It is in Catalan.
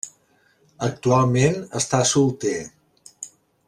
Actualment està solter.